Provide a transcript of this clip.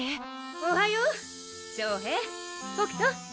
おはよう翔平北斗。